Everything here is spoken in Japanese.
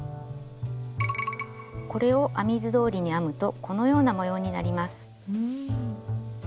これを編み図どおりに編むとこのような模様になります。